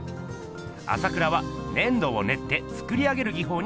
朝倉は粘土をねって作り上げる技法に魅せられます。